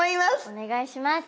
お願いします。